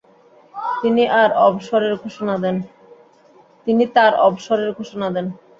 তিনি তার অবসরের ঘোষণা দেন।